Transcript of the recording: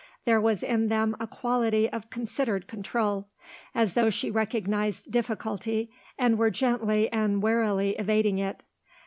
There was in them a quality of considered control, as though she recognised difficulty and were gently and warily evading it.